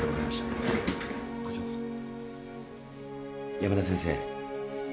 山田先生。